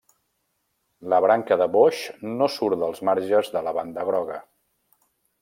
La branca de boix no surt dels marges de la banda groga.